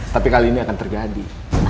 tapi kali ini akan terjadi